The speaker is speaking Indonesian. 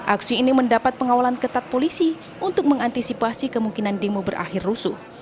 aksi ini mendapat pengawalan ketat polisi untuk mengantisipasi kemungkinan demo berakhir rusuh